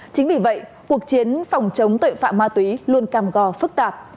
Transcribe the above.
chính vì vậy cuộc chiến phòng chống tội phạm ma túy luôn cam gò phức tạp